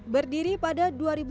berdiri pada dua ribu sembilan belas